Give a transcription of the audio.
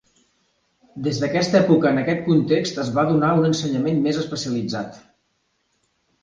Des d'aquesta època en aquest context es va donar un ensenyament més especialitzat.